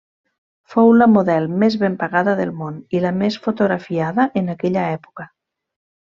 Fou la model més ben pagada del món i la més fotografiada en aquella època.